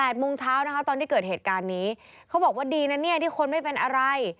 โมงเช้านะคะตอนที่เกิดเหตุการณ์นี้เขาบอกว่าดีนะเนี่ยที่คนไม่เป็นอะไร